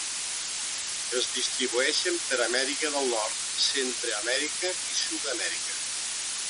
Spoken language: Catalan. Es distribueixen per Amèrica del Nord, Centreamèrica i Sud-amèrica.